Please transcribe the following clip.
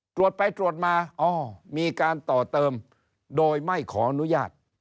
ตรวจไปตรวจมาอ้อมีการต่อเติมโดยไม่ขออนุญาต